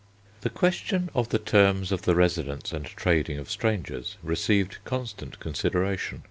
The question of the terms of the residence and trading of strangers received constant consideration.